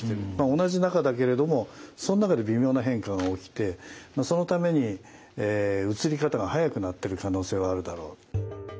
同じ中だけれどもその中で微妙な変化が起きてそのために移り方が速くなってる可能性はあるだろう。